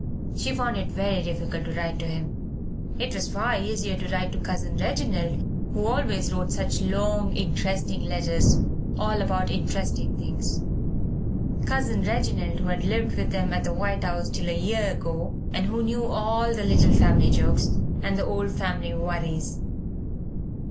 She found it very difficult to write to him. It was far easier to write to Cousin Reginald, who always wrote such long, interesting letters, all about interesting things Cousin Reginald who had lived with them at the White House till a year ago, and who knew all the little family jokes, and the old family worries.